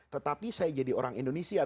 tetapi saya jadi orang indonesia